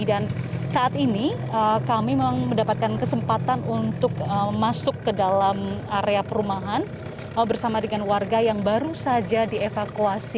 dan saat ini kami memang mendapatkan kesempatan untuk masuk ke dalam area perumahan bersama dengan warga yang baru saja dievakuasi